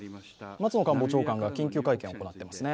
松野官房長官が緊急会見を行っていますね。